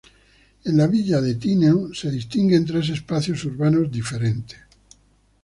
En la villa de Tineo se distinguen tres espacios urbanos diferentes.